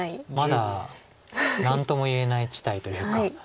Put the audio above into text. まだ何とも言えない地帯というか。